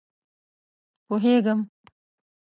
_پوهېږم.